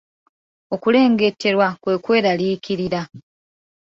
Okulengeterwa kwe kweraliikirira.